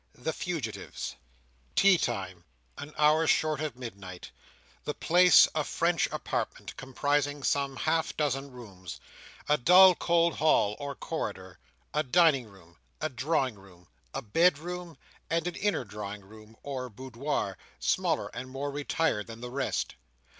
The Fugitives Tea time, an hour short of midnight; the place, a French apartment, comprising some half dozen rooms;—a dull cold hall or corridor, a dining room, a drawing room, a bed room, and an inner drawingroom, or boudoir, smaller and more retired than the rest.